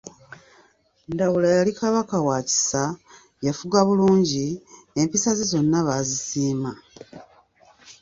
Ndawula yali Kabaka wa kisa, yafuga bulungi, empisa ze zonna baazisiima.